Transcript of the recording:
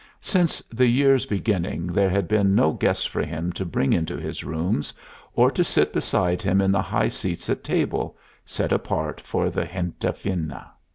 Since the year's beginning there had been no guest for him to bring into his rooms, or to sit beside him in the high seats at table, set apart for the gente fina.